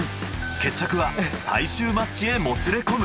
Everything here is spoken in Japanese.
決着は最終マッチへもつれ込む。